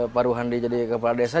pak ruhandi jadi kepala desa